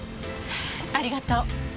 ありがとう。